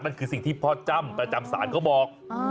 คือสิ่งที่พ่อจ้ำประจำศาลเขาบอก